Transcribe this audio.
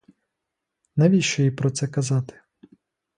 Навіщо їй про це казати?